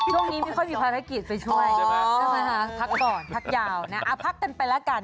ช่วงนี้ไม่ค่อยมีภารกิจไปช่วยใช่ไหมคะพักก่อนพักยาวนะพักกันไปแล้วกัน